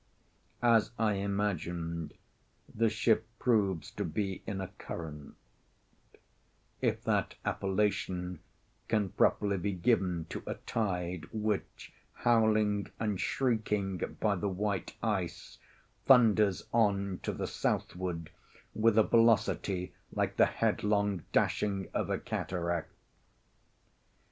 As I imagined, the ship proves to be in a current—if that appellation can properly be given to a tide which, howling and shrieking by the white ice, thunders on to the southward with a velocity like the headlong dashing of a cataract.